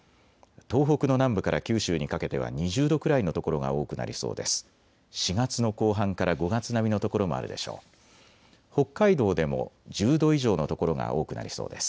東北の南部から九州にかけては２０度くらいの所が多くなりそうです。